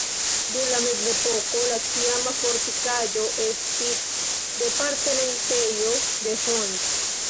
Dum la mezepoko la tiama fortikaĵo estis departementejo de Hont.